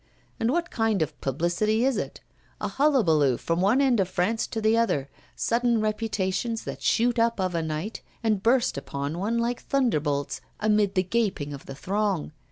And what kind of publicity is it? A hullabaloo from one end of France to the other, sudden reputations that shoot up of a night, and burst upon one like thunderbolts, amid the gaping of the throng.